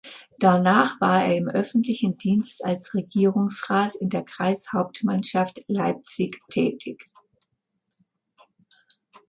Danach war er im öffentlichen Dienst als Regierungsrat in der Kreishauptmannschaft Leipzig tätig.